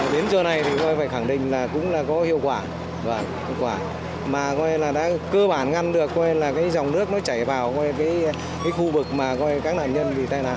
phải khẳng định là cũng có hiệu quả mà đã cơ bản ngăn được dòng nước chảy vào khu vực các nạn nhân bị tai nạn